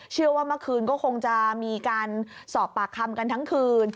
เชื่อว่าเมื่อคืนก็คงจะมีการสอบปากคำกันทั้งคืน